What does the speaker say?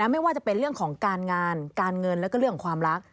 ไม่ว่าจะเป็นเรื่องของการงานการเงินแล้วก็เรื่องของความรัก